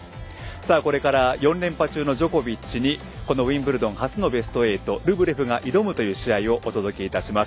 これから４連覇中のジョコビッチにウィンブルドン初のベスト８のルブレフが挑むという試合をお届けいたします。